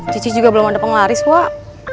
cici juga belum ada penglaris pak